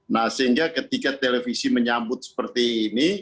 nah sehingga ketika televisi menyambut seperti ini